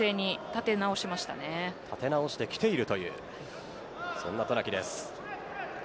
立て直してきているというそんな渡名喜です。